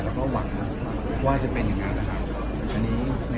แล้วก็หวังว่าจะเป็นแบบนั้น